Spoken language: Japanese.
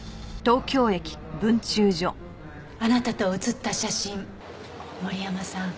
あなたと写った写真森山さん